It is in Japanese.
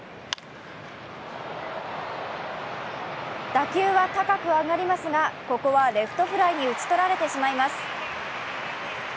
打球は高く上がりますがここはレフトフライに打ち取られてしまいます。